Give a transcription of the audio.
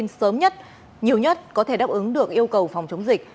sớm nhất nhiều nhất có thể đáp ứng được yêu cầu phòng chống dịch